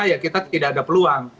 ya kita tidak ada peluang